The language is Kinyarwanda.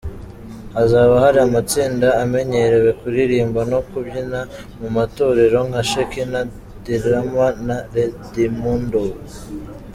Hazaba hari amatsinda amenyerewe kuririmba no kubyina mu matorero nka Shekinah Dirama na Redimudi.